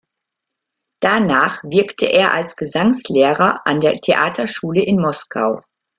Danach wirkte er als Gesangslehrer an der Theaterschule in Moskau.